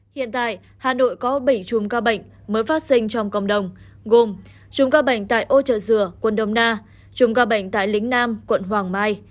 hiện tại hà nội có bảy chùm ca bệnh mới phát sinh trong cộng đồng gồm chùm ca bệnh tại âu trợ dừa quận đông na chùm ca bệnh tại lính nam quận hoàng mai